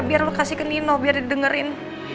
biar lo kasih ke nino biar didengerin